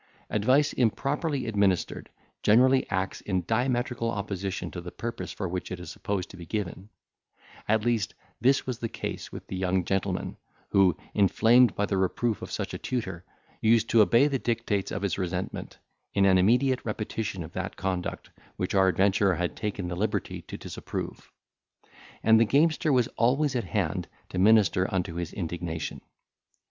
Advice improperly administered generally acts in diametrical opposition to the purpose for which it is supposed to be given; at least this was the case with the young gentleman, who, inflamed by the reproof of such a tutor, used to obey the dictates of his resentment in an immediate repetition of that conduct which our adventurer had taken the liberty to disapprove; and the gamester was always at hand to minister unto his indignation.